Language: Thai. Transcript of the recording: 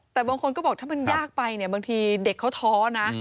แต่บางคนก็บอกถ้ามันยากไปเนี่ยบางทีเด็กเขาท้อนะ